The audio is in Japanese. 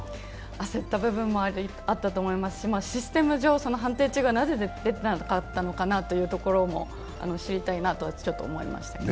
焦った部分もあると思いますし、システム上、判定中がなぜ出てたのかなというのも知りたいなとちょっと思いました。